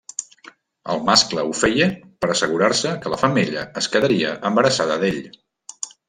El mascle ho feia per assegurar-se que la femella es quedaria embarassada d'ell.